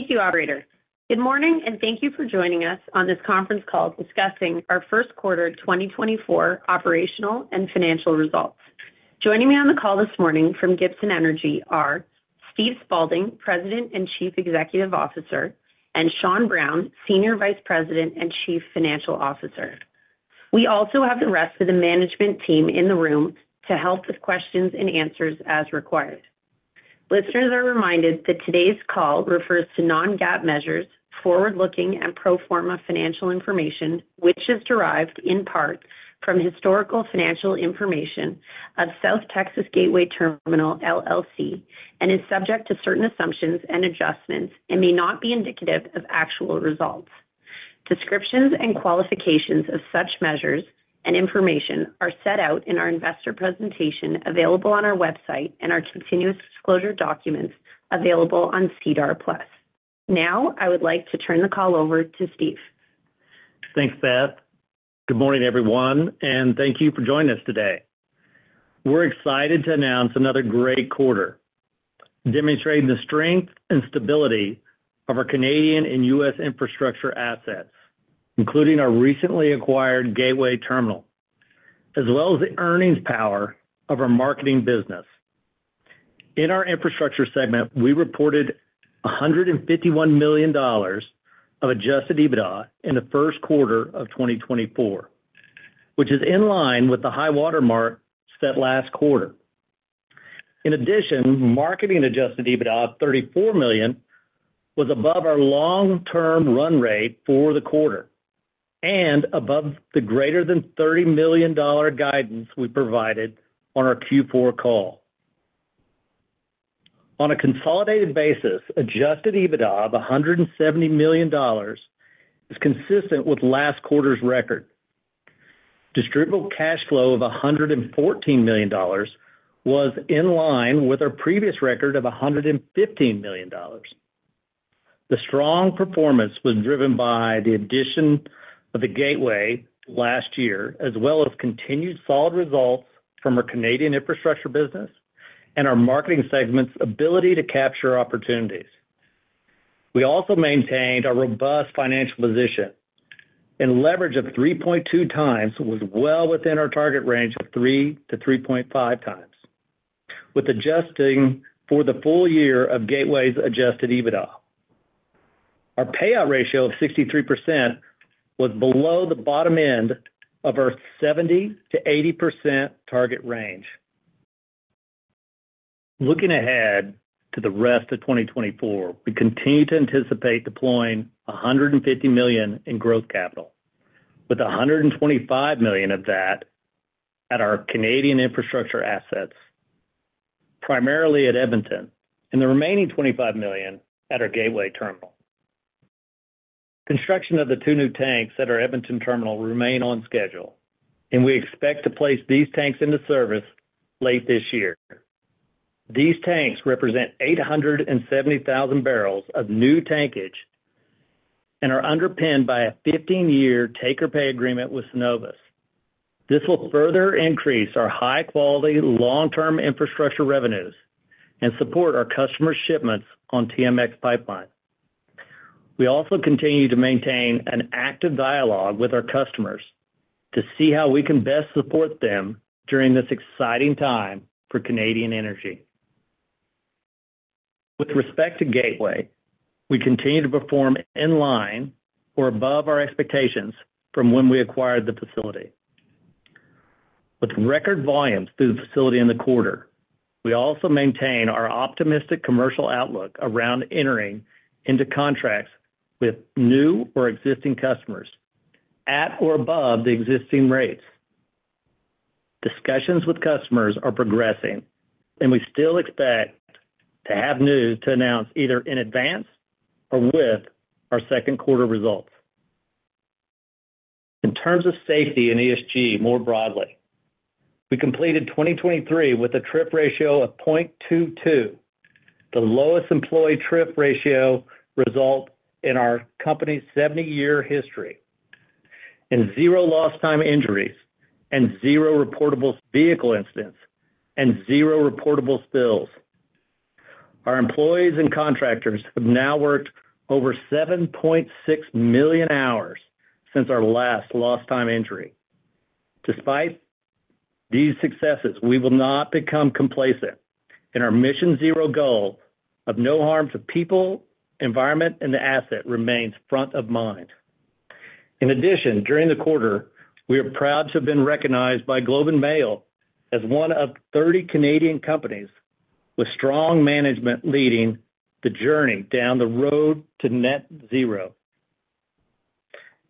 Thank you, operator. Good morning, and thank you for joining us on this conference call discussing our first quarter 2024 operational and financial results. Joining me on the call this morning from Gibson Energy are Steve Spaulding, President and Chief Executive Officer, and Sean Brown, Senior Vice President and Chief Financial Officer. We also have the rest of the management team in the room to help with questions and answers as required. Listeners are reminded that today's call refers to non-GAAP measures, forward-looking and pro forma financial information, which is derived in part from historical financial information of South Texas Gateway Terminal LLC, and is subject to certain assumptions and adjustments and may not be indicative of actual results. Descriptions and qualifications of such measures and information are set out in our investor presentation, available on our website, and our continuous disclosure documents available on SEDAR+. Now, I would like to turn the call over to Steve. Thanks, Beth. Good morning, everyone, and thank you for joining us today. We're excited to announce another great quarter, demonstrating the strength and stability of our Canadian and U.S. infrastructure assets, including our recently acquired Gateway Terminal, as well as the earnings power of our marketing business. In our infrastructure segment, we reported 151 million dollars of Adjusted EBITDA in the first quarter of 2024, which is in line with the high-water mark set last quarter. In addition, marketing Adjusted EBITDA of 34 million was above our long-term run rate for the quarter and above the greater than 30 million dollar guidance we provided on our Q4 call. On a consolidated basis, Adjusted EBITDA of 170 million dollars is consistent with last quarter's record. Distributable cash flow of 114 million dollars was in line with our previous record of 115 million dollars. The strong performance was driven by the addition of the Gateway last year, as well as continued solid results from our Canadian infrastructure business and our marketing segment's ability to capture opportunities. We also maintained a robust financial position, and leverage of 3.2x was well within our target range of 3-3.5x, with adjusting for the full year of Gateway's Adjusted EBITDA. Our payout ratio of 63% was below the bottom end of our 70%-80% target range. Looking ahead to the rest of 2024, we continue to anticipate deploying 150 million in growth capital, with 125 million of that at our Canadian infrastructure assets, primarily at Edmonton, and the remaining 25 million at our Gateway Terminal. Construction of the two new tanks at our Edmonton terminal remains on schedule, and we expect to place these tanks into service late this year. These tanks represent 870,000 barrels of new tankage and are underpinned by a 15-year take-or-pay agreement with Cenovus. This will further increase our high-quality, long-term infrastructure revenues and support our customer shipments on TMX Pipeline. We also continue to maintain an active dialogue with our customers to see how we can best support them during this exciting time for Canadian energy. With respect to Gateway, we continue to perform in line or above our expectations from when we acquired the facility. With record volumes through the facility in the quarter, we also maintain our optimistic commercial outlook around entering into contracts with new or existing customers at or above the existing rates. Discussions with customers are progressing, and we still expect to have news to announce either in advance or with our second quarter results. In terms of safety and ESG, more broadly, we completed 2023 with a TRIF ratio of 0.22, the lowest employee TRIF ratio result in our company's 70-year history, and zero lost time injuries, and zero reportable vehicle incidents, and zero reportable spills. Our employees and contractors have now worked over 7.6 million hours since our last lost time injury. Despite these successes, we will not become complacent, and our Mission Zero goal of no harm to people, environment, and the asset remains front of mind. In addition, during the quarter, we are proud to have been recognized by Globe and Mail as one of 30 Canadian companies with strong management leading the journey down the road to net zero.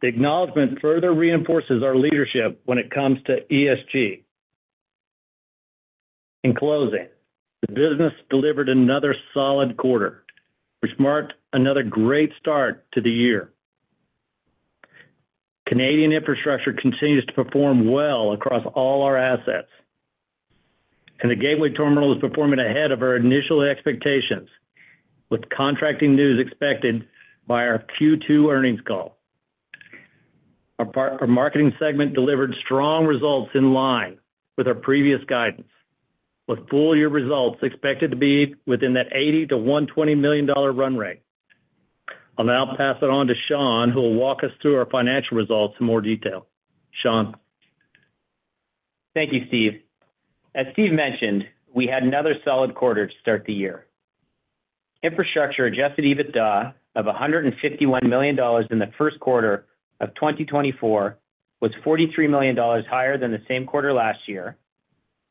The acknowledgment further reinforces our leadership when it comes to ESG. In closing, the business delivered another solid quarter, which marked another great start to the year. Canadian infrastructure continues to perform well across all our assets, and the Gateway Terminal is performing ahead of our initial expectations, with contracting news expected by our Q2 earnings call. Our part, our marketing segment delivered strong results in line with our previous guidance, with full year results expected to be within that 80 million-120 million dollar run rate. I'll now pass it on to Sean, who will walk us through our financial results in more detail. Sean? Thank you, Steve. As Steve mentioned, we had another solid quarter to start the year. Infrastructure Adjusted EBITDA of 151 million dollars in the first quarter of 2024 was 43 million dollars higher than the same quarter last year,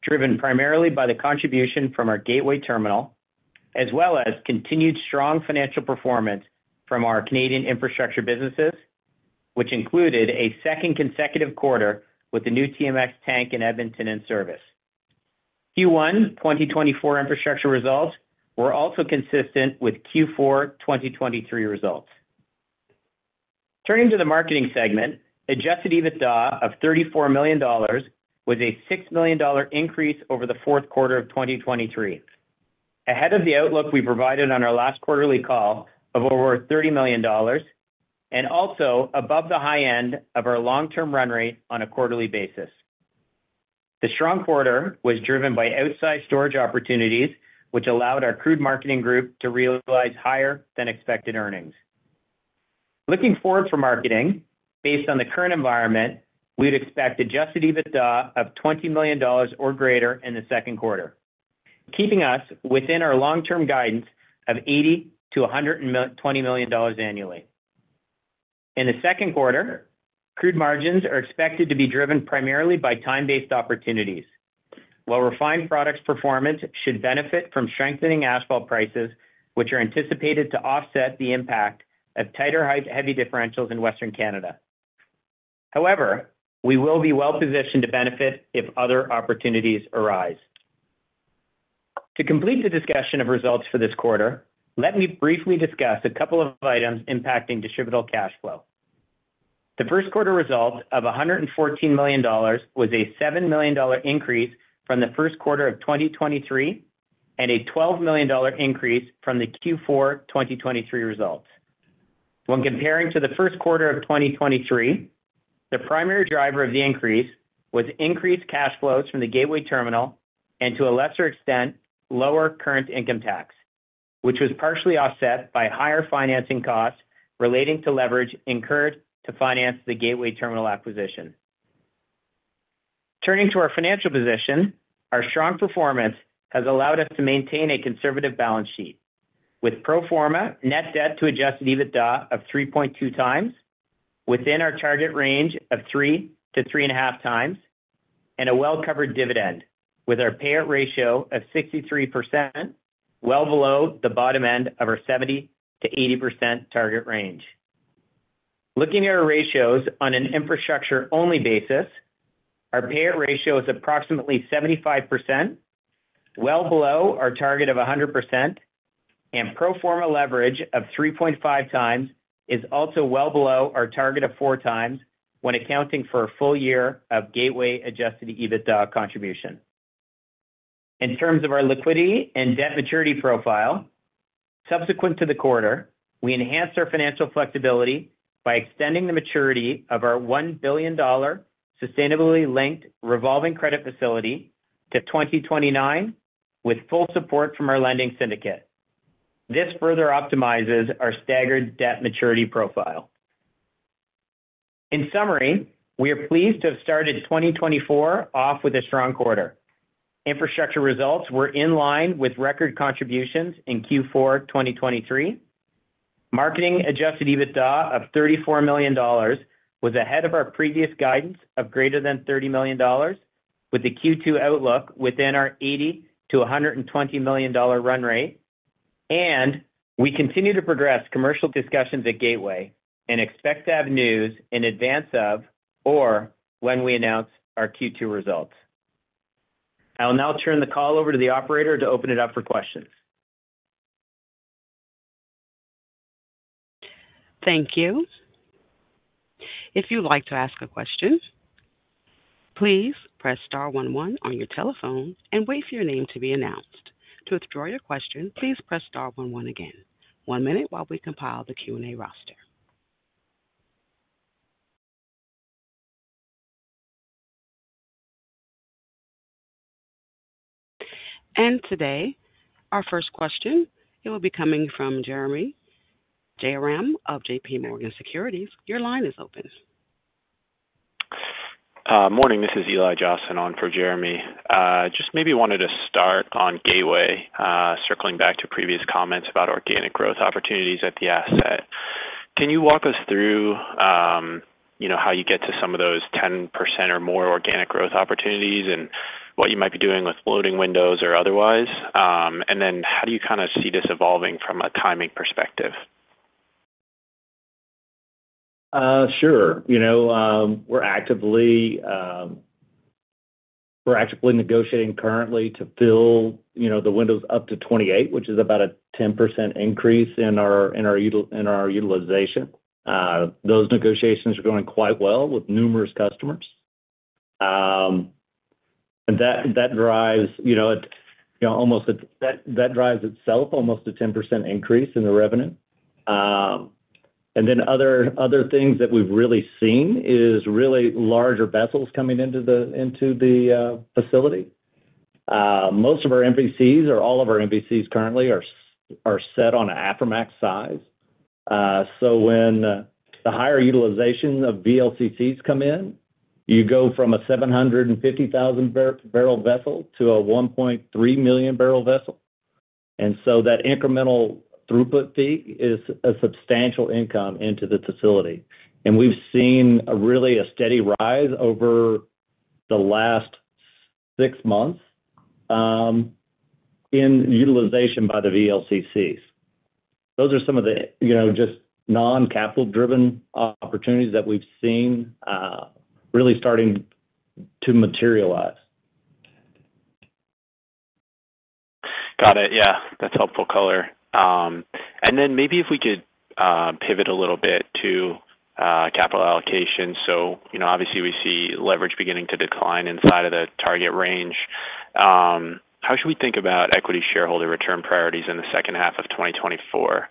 driven primarily by the contribution from our gateway terminal, as well as continued strong financial performance from our Canadian infrastructure businesses, which included a second consecutive quarter with the new TMX tank in Edmonton in service. Q1 2024 infrastructure results were also consistent with Q4 2023 results. Turning to the Marketing segment, Adjusted EBITDA of 34 million dollars was a 6 million dollar increase over the fourth quarter of 2023. Ahead of the outlook we provided on our last quarterly call of over 30 million dollars, and also above the high end of our long-term run rate on a quarterly basis. The strong quarter was driven by outside storage opportunities, which allowed our crude marketing group to realize higher-than-expected earnings. Looking forward for marketing, based on the current environment, we'd expect Adjusted EBITDA of 20 million dollars or greater in the second quarter, keeping us within our long-term guidance of 80 million-120 million dollars annually. In the second quarter, crude margins are expected to be driven primarily by time-based opportunities. While refined products performance should benefit from strengthening asphalt prices, which are anticipated to offset the impact of tighter heavy differentials in Western Canada. However, we will be well-positioned to benefit if other opportunities arise. To complete the discussion of results for this quarter, let me briefly discuss a couple of items impacting Distributable Cash Flow. The first quarter result of 114 million dollars was a 7 million dollar increase from the first quarter of 2023, and a 12 million dollar increase from the Q4 2023 results. When comparing to the first quarter of 2023, the primary driver of the increase was increased cash flows from the Gateway Terminal, and to a lesser extent, lower current income tax, which was partially offset by higher financing costs relating to leverage incurred to finance the Gateway Terminal acquisition. Turning to our financial position, our strong performance has allowed us to maintain a conservative balance sheet, with pro forma net debt to Adjusted EBITDA of 3.2x, within our target range of 3-3.5x, and a well-covered dividend, with our payout ratio of 63%, well below the bottom end of our 70%-80% target range. Looking at our ratios on an infrastructure-only basis, our payout ratio is approximately 75%, well below our target of 100%, and pro forma leverage of 3.5x is also well below our target of 4x when accounting for a full year of Gateway Adjusted EBITDA contribution. In terms of our liquidity and debt maturity profile, subsequent to the quarter, we enhanced our financial flexibility by extending the maturity of our 1 billion dollar sustainability-linked revolving credit facility to 2029, with full support from our lending syndicate. This further optimizes our staggered debt maturity profile. In summary, we are pleased to have started 2024 off with a strong quarter. Infrastructure results were in line with record contributions in Q4, 2023. Marketing Adjusted EBITDA of 34 million dollars was ahead of our previous guidance of greater than 30 million dollars, with the Q2 outlook within our 80 million-120 million-dollar run rate. We continue to progress commercial discussions at Gateway and expect to have news in advance of or when we announce our Q2 results. I'll now turn the call over to the operator to open it up for questions. Thank you. If you'd like to ask a question, please press star one one on your telephone and wait for your name to be announced. To withdraw your question, please press star one one again. One minute while we compile the Q&A roster. Today, our first question, it will be coming from Jeremy from JPMorgan Securities. Your line is open. Morning, this is Eli Jossen on for Jeremy. Just maybe wanted to start on Gateway, circling back to previous comments about organic growth opportunities at the asset. Can you walk us through, you know, how you get to some of those 10% or more organic growth opportunities and what you might be doing with loading windows or otherwise? And then how do you kind of see this evolving from a timing perspective? Sure. You know, we're actively negotiating currently to fill, you know, the windows up to 28, which is about a 10% increase in our utilization. Those negotiations are going quite well with numerous customers. And that, that drives, you know, it, you know, almost, it-- that, that drives itself almost a 10% increase in the revenue. And then other, other things that we've really seen is really larger vessels coming into the facility. Most of our MVCs or all of our MVCs currently are set on an Aframax size. So when the higher utilization of VLCCs come in, you go from a 750,000-barrel vessel to a 1.3 million-barrel vessel. And so that incremental throughput fee is a substantial income into the facility. And we've seen a really steady rise over the last six months in utilization by the VLCCs. Those are some of the, you know, just non-capital driven opportunities that we've seen really starting to materialize. Got it. Yeah, that's helpful color. Then maybe if we could pivot a little bit to capital allocation. So, you know, obviously, we see leverage beginning to decline inside of the target range. How should we think about equity shareholder return priorities in the second half of 2024?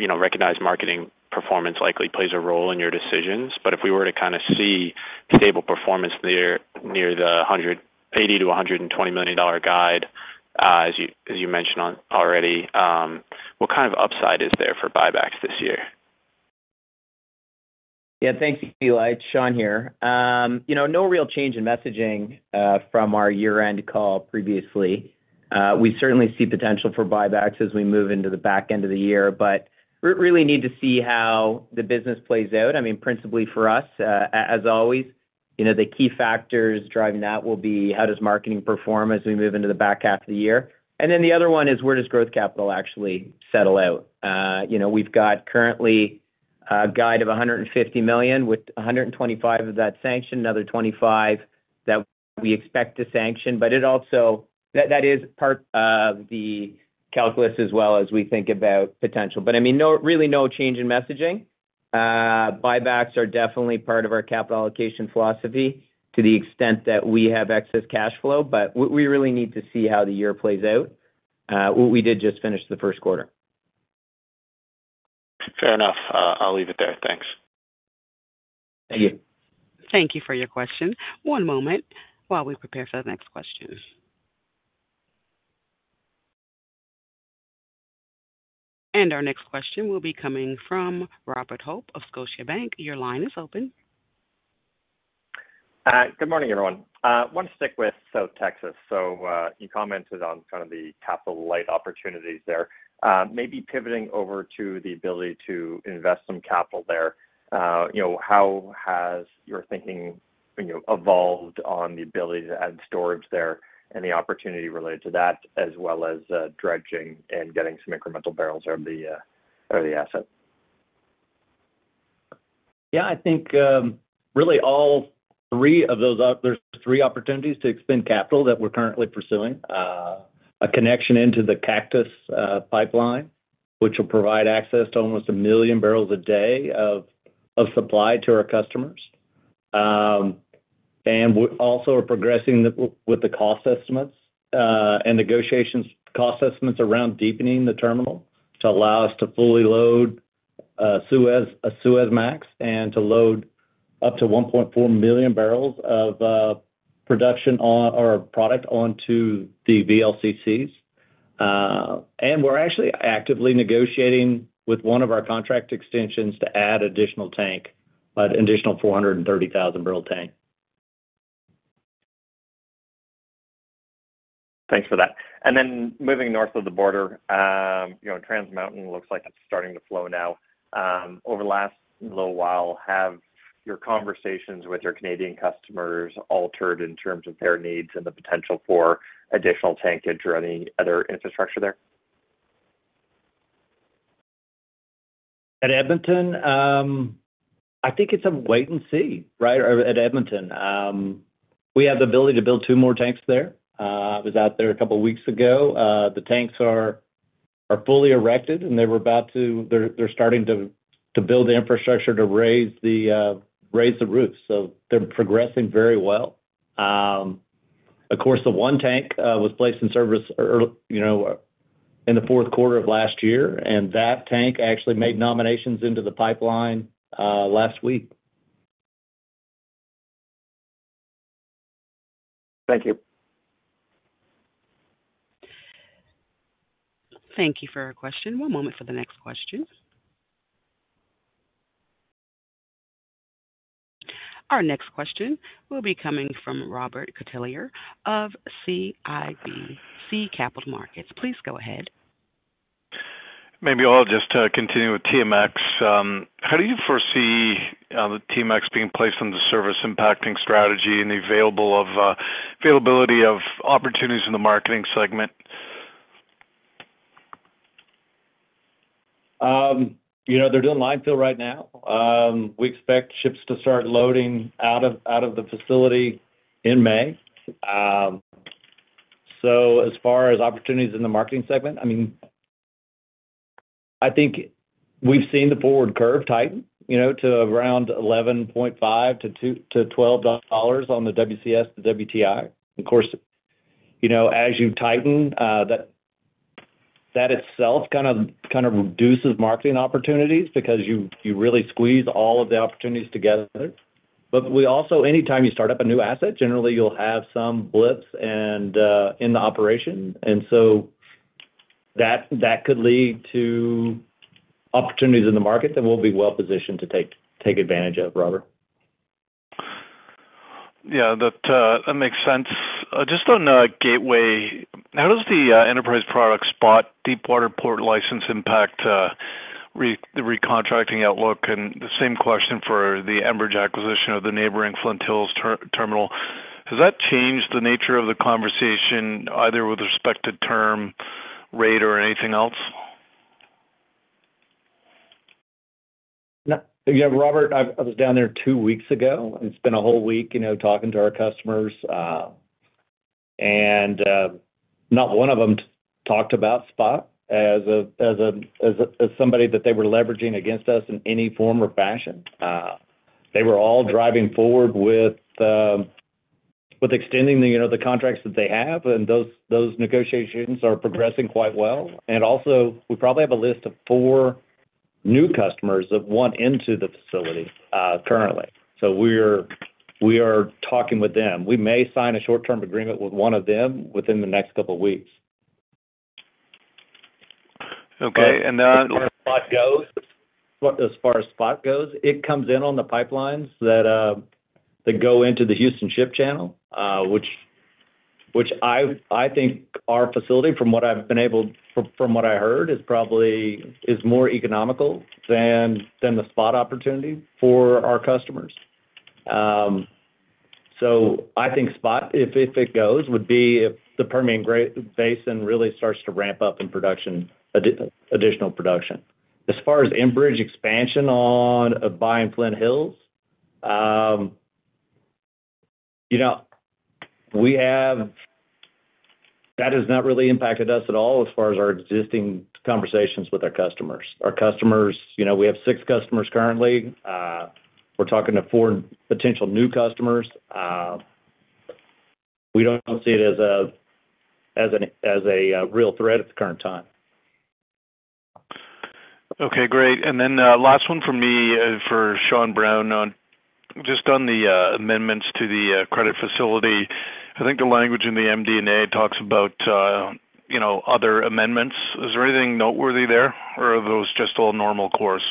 You know, recognized marketing performance likely plays a role in your decisions, but if we were to kind of see stable performance near the 80 million-120 million dollar guide, as you mentioned already, what kind of upside is there for buybacks this year? Yeah, thanks, Eli. It's Sean here. You know, no real change in messaging from our year-end call previously. We certainly see potential for buybacks as we move into the back end of the year, but we really need to see how the business plays out. I mean, principally for us, as always, you know, the key factors driving that will be, how does Marketing perform as we move into the back half of the year? And then the other one is, where does growth capital actually settle out? You know, we've got currently a guide of 150 million, with 125 million of that sanctioned, another 25 million that we expect to sanction. But it also, that, that is part of the calculus as well, as we think about potential. But I mean, no, really no change in messaging. Buybacks are definitely part of our capital allocation philosophy to the extent that we have excess cash flow, but we really need to see how the year plays out. What we did just finish the first quarter. Fair enough. I'll leave it there. Thanks. Thank you. Thank you for your question. One moment while we prepare for the next question. Our next question will be coming from Robert Hope of Scotiabank. Your line is open. Good morning, everyone. Want to stick with South Texas. So, you commented on kind of the capital light opportunities there. Maybe pivoting over to the ability to invest some capital there, you know, how has your thinking, you know, evolved on the ability to add storage there and the opportunity related to that, as well as, dredging and getting some incremental barrels out of the asset? Yeah, I think, really all three of those—there's three opportunities to expend capital that we're currently pursuing. A connection into the Cactus Pipeline, which will provide access to almost a million barrels a day of supply to our customers. And we also are progressing with the cost estimates and negotiations cost estimates around deepening the terminal to allow us to fully load Suez, a Suezmax, and to load up to 1.4 million barrels of production on or product onto the VLCCs. And we're actually actively negotiating with one of our contract extensions to add additional tank, an additional 430,000-barrel tank. Thanks for that. Then moving north of the border, you know, Trans Mountain looks like it's starting to flow now. Over the last little while, have your conversations with your Canadian customers altered in terms of their needs and the potential for additional tankage or any other infrastructure there? At Edmonton, I think it's a wait and see, right? At Edmonton. We have the ability to build two more tanks there. I was out there a couple weeks ago. The tanks are fully erected, and they're starting to build the infrastructure to raise the roof. So they're progressing very well. Of course, the one tank was placed in service earlier, you know, in the fourth quarter of last year, and that tank actually made nominations into the pipeline last week. Thank you. Thank you for your question. One moment for the next question. Our next question will be coming from Robert Catellier of CIBC Capital Markets. Please go ahead. Maybe I'll just continue with TMX. How do you foresee the TMX being placed on the service, impacting strategy and the availability of opportunities in the marketing segment? You know, they're doing line fill right now. We expect ships to start loading out of the facility in May. So as far as opportunities in the marketing segment, I mean, I think we've seen the forward curve tighten, you know, to around 11.5-12 dollars on the WCS to WTI. Of course, you know, as you tighten, that, that itself kind of, kind of reduces marketing opportunities because you, you really squeeze all of the opportunities together. But we also, anytime you start up a new asset, generally you'll have some blips and in the operation, and so that, that could lead to opportunities in the market that we'll be well positioned to take, take advantage of, Robert. Yeah, that makes sense. Just on Gateway, how does the Enterprise Products SPOT Deepwater Port license impact the recontracting outlook? And the same question for the Enbridge acquisition of the neighboring Flint Hills terminal. Has that changed the nature of the conversation, either with respect to term, rate, or anything else? No. Yeah, Robert, I was down there two weeks ago and spent a whole week, you know, talking to our customers, and not one of them talked about spot as a somebody that they were leveraging against us in any form or fashion. They were all driving forward with extending the, you know, the contracts that they have, and those negotiations are progressing quite well. And also, we probably have a list of four new customers that want into the facility currently. So we're talking with them. We may sign a short-term agreement with one of them within the next couple weeks. Okay, and then- As far as spot goes, as far as spot goes, it comes in on the pipelines that that go into the Houston Ship Channel, which I think our facility, from what I heard, is probably more economical than the spot opportunity for our customers. So I think spot, if it goes, would be if the Permian Basin really starts to ramp up in production, additional production. As far as Enbridge expansion on buying Flint Hills, you know, we have... That has not really impacted us at all as far as our existing conversations with our customers. Our customers, you know, we have six customers currently. We're talking to four potential new customers. We don't see it as a real threat at the current time. Okay, great. And then, last one from me, for Sean Brown on, just on the, amendments to the, credit facility. I think the language in the MD&A talks about, you know, other amendments. Is there anything noteworthy there, or are those just all normal course?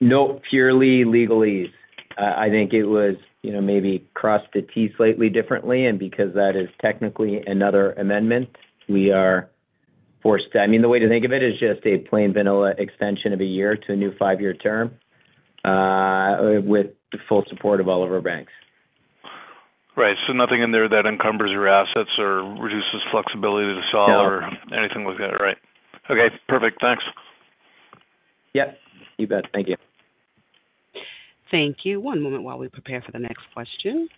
No, purely legally. I think it was, you know, maybe crossed the t's slightly differently, and because that is technically another amendment, we are forced to... I mean, the way to think of it is just a plain vanilla extension of a year to a new five-year term, with the full support of all of our banks. Right. So nothing in there that encumbers your assets or reduces flexibility to sell- No. -or anything like that, right? Okay, perfect. Thanks. Yep, you bet. Thank you. Thank you. One moment while we prepare for the next question.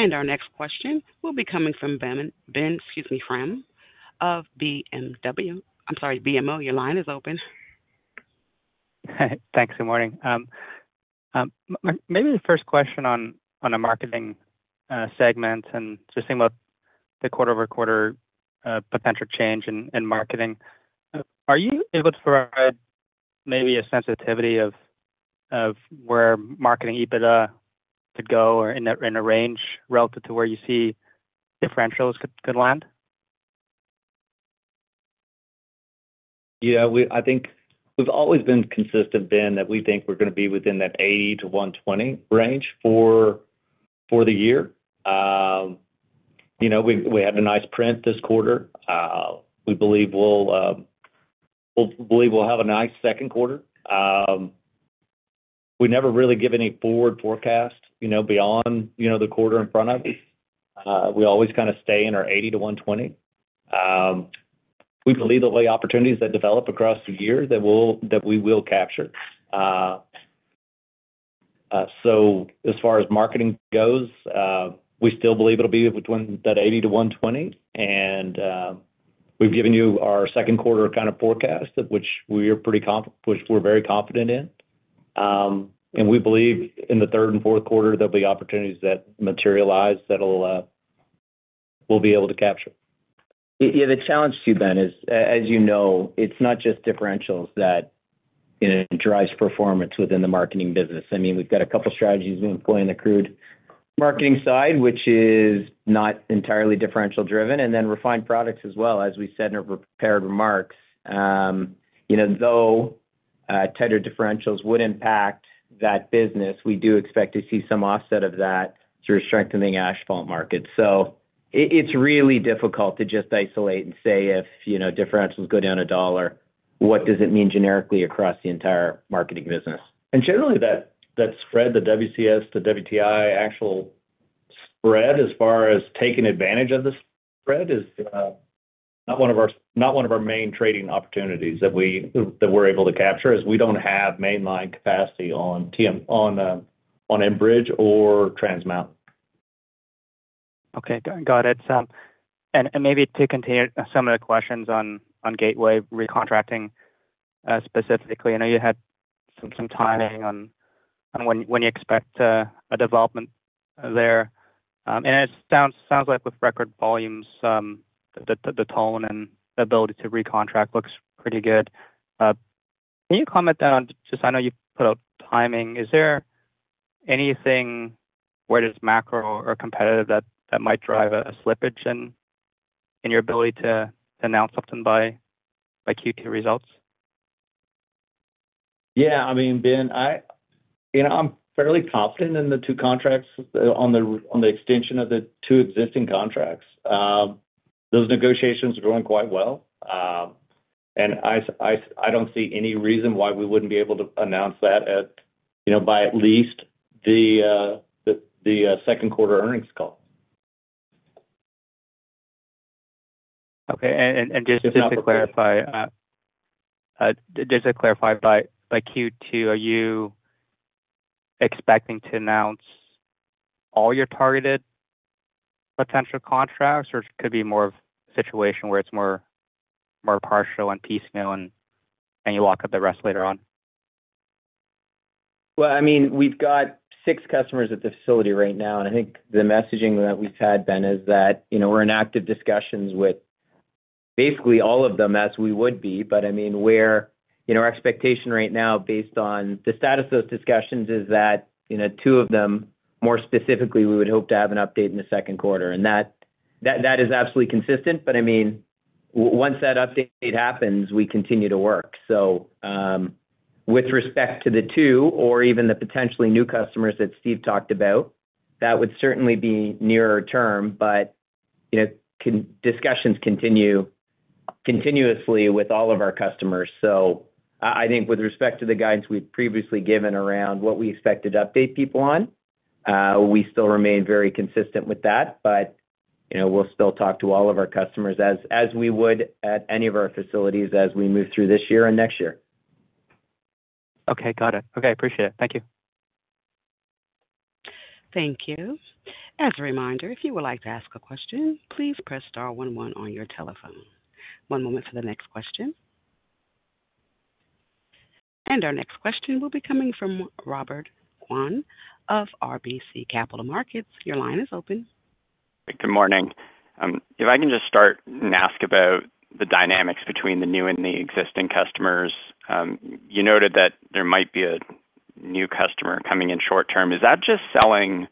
Our next question will be coming from Ben, Ben, excuse me, Pham of BMO. I'm sorry, your line is open. Thanks, good morning. Maybe the first question on a marketing segment and just think about the quarter-over-quarter potential change in marketing. Are you able to provide maybe a sensitivity of where marketing EBITDA could go or in a range relative to where you see differentials could land? Yeah, I think we've always been consistent, Ben, that we think we're gonna be within that 80-120 range for the year. You know, we had a nice print this quarter. We believe we'll have a nice second quarter. We never really give any forward forecast, you know, beyond the quarter in front of us. We always kind of stay in our 80-120. We believe that the opportunities that develop across the year that we will capture. So as far as marketing goes, we still believe it'll be between that 80-120, and we've given you our second quarter kind of forecast, which we're very confident in. We believe in the third and fourth quarter, there'll be opportunities that materialize that'll we'll be able to capture. Yeah, the challenge, too, Ben, is as you know, it's not just differentials that, you know, drives performance within the marketing business. I mean, we've got a couple strategies in play in the crude marketing side, which is not entirely differential-driven, and then refined products as well, as we said in our prepared remarks. You know, though, tighter differentials would impact that business, we do expect to see some offset of that through strengthening asphalt markets. So it's really difficult to just isolate and say if, you know, differentials go down a dollar, what does it mean generically across the entire marketing business? Generally, that spread, the WCS, the WTI actual spread as far as taking advantage of the spread is not one of our main trading opportunities that we're able to capture, is we don't have mainline capacity on TM, on Enbridge or Trans Mountain. Okay, got it. And maybe to continue some of the questions on Gateway recontracting, specifically, I know you had some timing on when you expect a development there. And it sounds like with record volumes, the tone and the ability to recontract looks pretty good. Can you comment on, just I know you put up timing, is there anything where it is macro or competitive that might drive a slippage in your ability to announce something by Q2 results? Yeah, I mean, Ben, you know, I'm fairly confident in the two contracts on the extension of the two existing contracts. Those negotiations are going quite well. And I don't see any reason why we wouldn't be able to announce that at, you know, by at least the second quarter earnings call. Okay. And just to clarify, by Q2, are you expecting to announce all your targeted potential contracts, or could it be more of a situation where it's more partial and piecemeal, and you lock up the rest later on? Well, I mean, we've got six customers at the facility right now, and I think the messaging that we've had, Ben, is that, you know, we're in active discussions with basically all of them, as we would be. But I mean, we're... You know, our expectation right now, based on the status of those discussions, is that, you know, two of them, more specifically, we would hope to have an update in the second quarter. And that is absolutely consistent. But I mean, once that update happens, we continue to work. So, with respect to the two or even the potentially new customers that Steve talked about, that would certainly be nearer term. But, you know, discussions continue continuously with all of our customers. I think with respect to the guidance we've previously given around what we expect to update people on, we still remain very consistent with that. But, you know, we'll still talk to all of our customers as we would at any of our facilities, as we move through this year and next year. Okay, got it. Okay, appreciate it. Thank you. Thank you. As a reminder, if you would like to ask a question, please press star one one on your telephone. One moment for the next question. Our next question will be coming from Robert Kwan of RBC Capital Markets. Your line is open. Good morning. If I can just start and ask about the dynamics between the new and the existing customers. You noted that there might be a new customer coming in short term. Is that just selling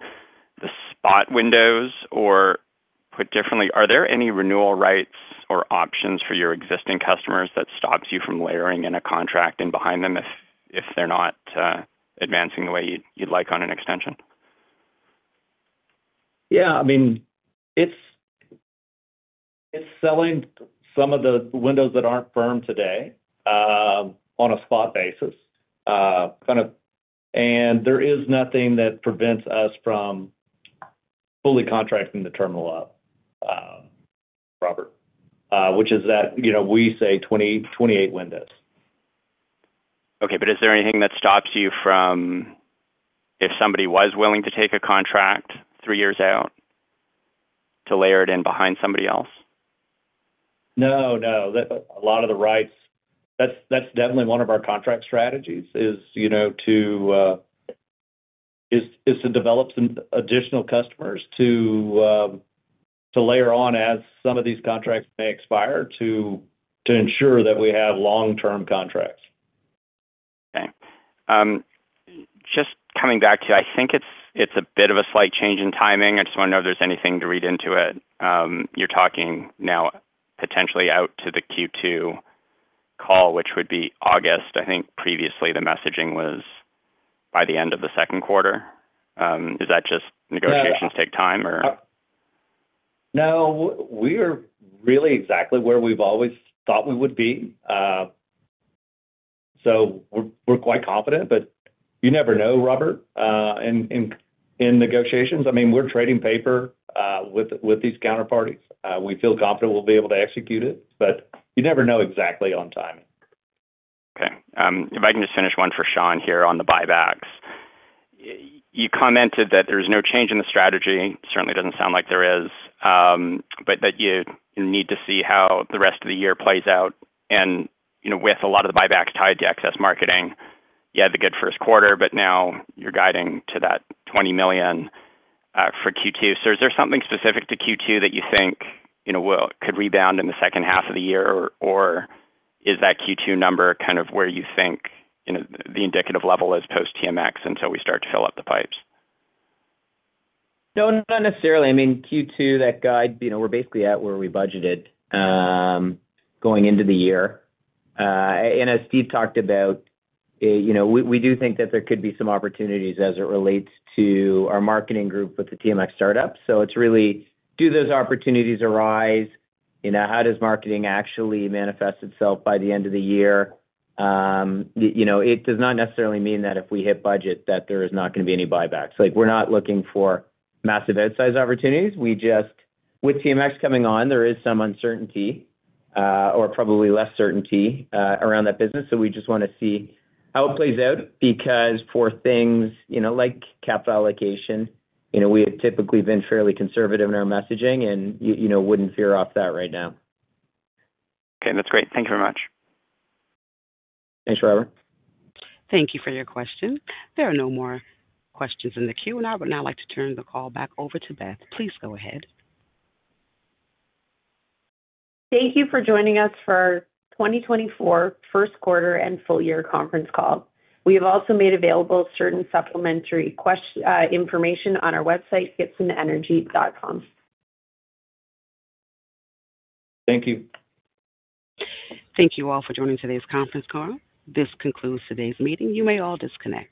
the spot windows, or put differently, are there any renewal rights or options for your existing customers that stops you from layering in a contract in behind them if they're not advancing the way you'd like on an extension? Yeah, I mean, it's, it's selling some of the windows that aren't firm today on a spot basis. And there is nothing that prevents us from fully contracting the terminal out, Robert, which is that, you know, we say 20-28 windows. Okay, but is there anything that stops you from, if somebody was willing to take a contract three years out, to layer it in behind somebody else? No, no. A lot of the rights. That's definitely one of our contract strategies, you know, to develop some additional customers to layer on as some of these contracts may expire, to ensure that we have long-term contracts. Okay. Just coming back to you, I think it's a bit of a slight change in timing. I just want to know if there's anything to read into it. You're talking now potentially out to the Q2 call, which would be August. I think previously the messaging was by the end of the second quarter. Is that just negotiations? No. Take time or? No, we are really exactly where we've always thought we would be. So we're quite confident, but you never know, Robert, in negotiations. I mean, we're trading paper with these counterparties. We feel confident we'll be able to execute it, but you never know exactly on timing. Okay. If I can just finish one for Sean here on the buybacks. You commented that there's no change in the strategy. Certainly doesn't sound like there is, but that you need to see how the rest of the year plays out. And, you know, with a lot of the buybacks tied to excess marketing, you had the good first quarter, but now you're guiding to that 20 million for Q2. So is there something specific to Q2 that you think, you know, could rebound in the second half of the year? Or, or is that Q2 number kind of where you think, you know, the indicative level is post-TMX until we start to fill up the pipes? No, not necessarily. I mean, Q2, that guide, you know, we're basically at where we budgeted, going into the year. As Steve talked about, you know, we, we do think that there could be some opportunities as it relates to our marketing group with the TMX startup. So it's really, do those opportunities arise? You know, how does marketing actually manifest itself by the end of the year? You know, it does not necessarily mean that if we hit budget, that there is not going to be any buybacks. Like, we're not looking for massive outsized opportunities. We just, with TMX coming on, there is some uncertainty, or probably less certainty, around that business, so we just want to see how it plays out. Because for things, you know, like capital allocation, you know, we have typically been fairly conservative in our messaging and you know, wouldn't veer off that right now. Okay, that's great. Thank you very much. Thanks, Robert. Thank you for your question. There are no more questions in the queue. I would now like to turn the call back over to Beth. Please go ahead. Thank you for joining us for our 2024 first quarter and full year conference call. We have also made available certain supplementary information on our website, gibsonenergy.com. Thank you. Thank you all for joining today's conference call. This concludes today's meeting. You may all disconnect.